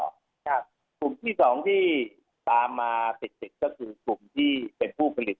กลุ่มที่สองที่ตามมาติดติดก็คือกลุ่มที่เป็นผู้ผลิต